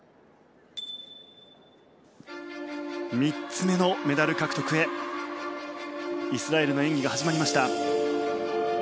３つ目のメダル獲得へイスラエルの演技が始まりました。